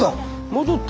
戻った。